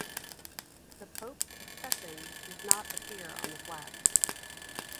The pope's escucheon does not appear on the flag.